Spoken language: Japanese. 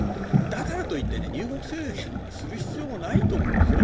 だからといって入国制限をする必要もないと思うんですよ。